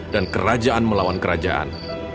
dan kerajaan melawan kerajaan